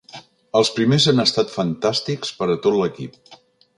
Els primers han estat fantàstics per a tot l’equip.